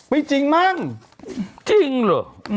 จริงมั่งจริงเหรอ